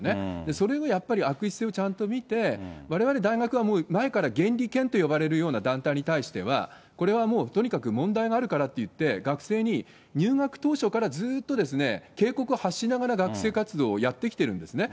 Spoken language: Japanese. それをやっぱり悪質性をちゃんと見て、われわれ大学はもう前から、原理研と呼ばれるような団体に対しては、これはもうとにかく問題があるからっていって、学生に、入学当初からずっとですね、警告を発しながら、学生活動をやってきてるんですね。